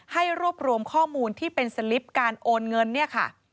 ให้รวบรวมข้อมูลที่เป็นสลิปการโอนเงินเนี่ยค่ะ